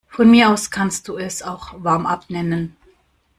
Von mir aus kannst du es auch Warmup nennen.